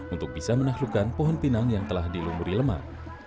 untuk bisa menaklukkan pohon pinang yang telah dilumuri lemak